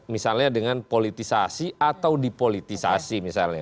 misalnya dengan politisasi atau dipolitisasi misalnya